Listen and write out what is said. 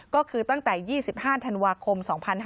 ก็คือตั้งแต่๒๕ธันวาคม๒๕๕๙